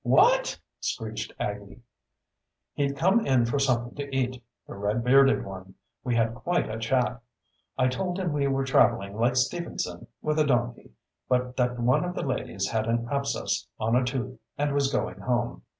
"What?" screeched Aggie. "He'd come in for something to eat the red bearded one. We had quite a chat. I told him we were traveling like Stevenson with a donkey; but that one of the ladies had an abscess on a tooth and was going home.